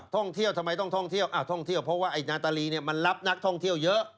ทำไมต้องท่องเที่ยวท่องเที่ยวเพราะว่าไอ้นาตาลีเนี่ยมันรับนักท่องเที่ยวเยอะ